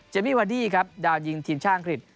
มี่วาดี้ครับดาวยิงทีมชาติอังกฤษ